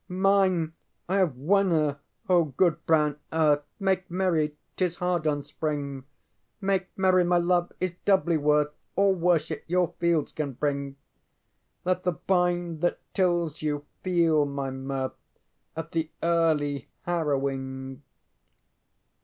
ŌĆ£Mine! I have won her, O good brown earth, Make merry! ŌĆśTis hard on Spring; Make merry; my love is doubly worth All worship your fields can bring! Let the bind that tills you feel my mirth At the early harrowing.